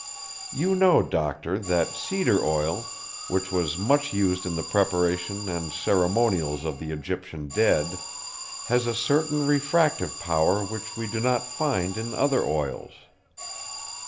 You know, Doctor, that cedar oil, which was much used in the preparation and ceremonials of the Egyptian dead, has a certain refractive power which we do not find in other oils.